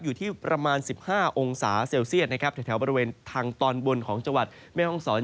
อยู่ที่ประมาณ๑๕องศาเซลเซียตนะครับแถวบริเวณทางตอนบนของจังหวัดแม่ห้องศร